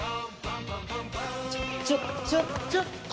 ちょっちょっちょっちょっと！